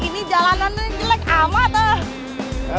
ini jalanannya jelek amat bu